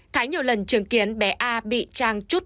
thái nhiều lần chứng kiến bé a bị trang trút